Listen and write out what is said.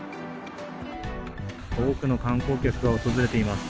多くの観光客が訪れています。